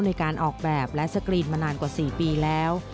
ในการออกแบบและสกรีนมานานกว่า๔ปีแล้ว